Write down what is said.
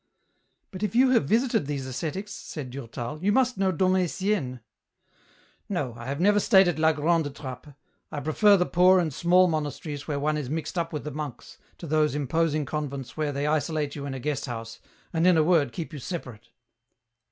" But if you have visited these ascetics," said Durtal, " you must know Dom Etienne ?"" No, I have never stayed at La Grande Trappe, I prefer the poor and small monasteries where one is mixed up with the monks, to those imposing convents where they isolate you in a guest house, and in a word keep you separate.